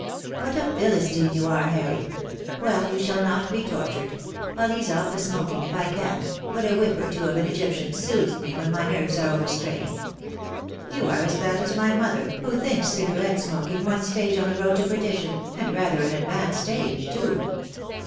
"What a Philistine you are, Harry! Well, you shall not be tortured. I'll ease off the smoking if I can — but a whiff or two of an Egyptian soothes me when my nerves are overstrained. You are as bad as my mother, who thinks cigarette smoking one stage on the road to per dition, and rather an advanced stage, too.